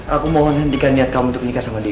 aku mohon hentikan niat kamu untuk menikah sama dia